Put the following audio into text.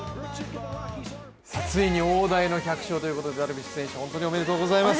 ついに大台の１００勝ということで、ダルビッシュ選手、本当におめでとうございます。